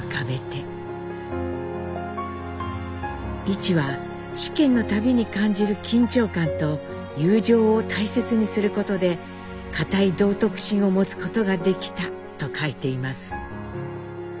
一は試験の度に感じる緊張感と友情を大切にすることで堅い道徳心を持つことができたと書いています。